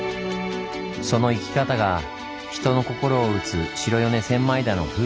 その生き方が人の心を打つ白米千枚田の風